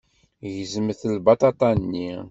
Gezmet lbaṭaṭa-nni.